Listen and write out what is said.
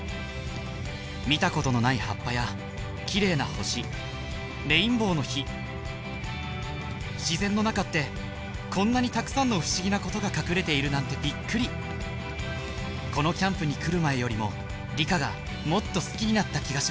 見たことのない葉っぱや綺麗な星レインボーの火自然の中ってこんなにたくさんの不思議なことが隠れているなんてびっくりこのキャンプに来る前よりも理科がもっと好きになった気がします